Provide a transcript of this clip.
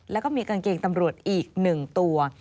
แล้วก็มีกางเกงตำรวจอีก๑ตัว